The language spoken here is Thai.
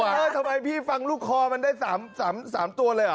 เออทำไมพี่ฟังลูกคอมันได้๓ตัวเลยเหรอ